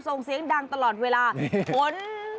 ส่งเสียงดังตลอดเวลาฝน